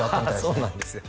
そうなんですよ